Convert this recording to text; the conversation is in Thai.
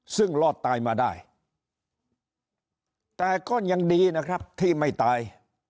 ซึ่งรอดตายมาได้แต่ก็ยังดีนะครับที่ไม่ตาย